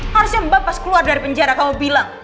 harusnya mbak pas keluar dari penjara kamu bilang